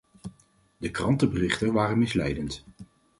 De krantenberichten waren misleidend.